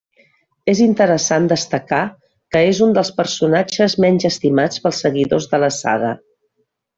És interessant destacar que és un dels personatges menys estimats pels seguidors de la saga.